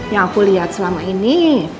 yang aku lihat selama ini